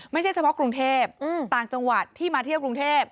ไม่ใช่เฉพาะกรุงเทพต่างจังหวัดที่มาเที่ยวกรุงเทพ